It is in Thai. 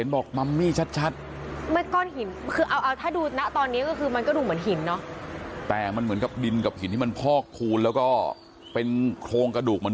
นี่ฮะนี่เนี่ยนี่เห็นไหม